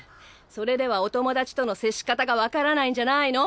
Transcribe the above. それではお友達との接し方が分からないんじゃないの？